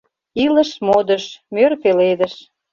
«Илыш — модыш, мӧр пеледыш...»